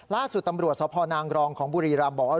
ล่าสุดตำรวจสพนางรองของบุรีรำบอกว่า